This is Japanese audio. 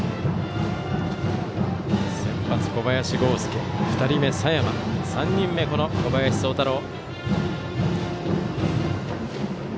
先発、小林剛介２人目、佐山３人目、この小林聡太朗。